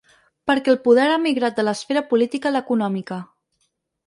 Perquè el poder ha migrat de l’esfera política a l’econòmica.